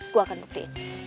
gue akan buktiin